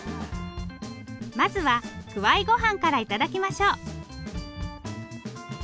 まずはくわいごはんから頂きましょう。